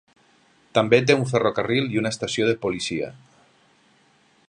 També té un ferrocarril i una estació de policia